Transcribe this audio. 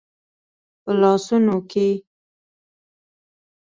په لاسونو کې